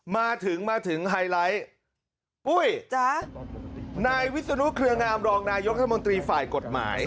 มาถึงมาถึงไฮไลท์ปุ้ยจ๊ะนายวิศนุเครืองามรองนายกรัฐมนตรีฝ่ายกฎหมาย